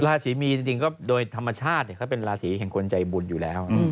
ราศีมีนจริงก็โดยธรรมชาติเขาเป็นราศีแห่งคนใจบุญอยู่แล้ว